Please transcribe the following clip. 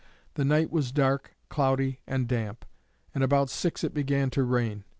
The night was dark, cloudy, and damp, and about six it began to rain.